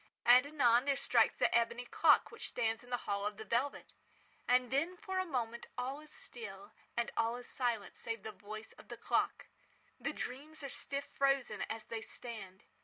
And, anon, there strikes the ebony clock which stands in the hall of the velvet. And then, for a moment, all is still, and all is silent save the voice of the clock. The dreams are stiff frozen as they stand.